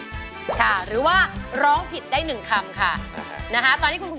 แต่เขาก็บอกเขาจะไปอยู่นะ๒๐๐๐๐๐บาท